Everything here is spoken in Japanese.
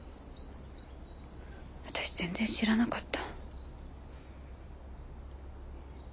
私全然知らなかった。